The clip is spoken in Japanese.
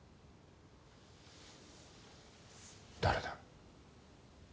誰だ？